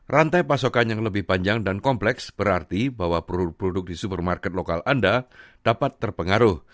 rantai pasokan yang lebih panjang dan kompleks berarti bahwa produk produk di supermarket lokal anda dapat terpengaruh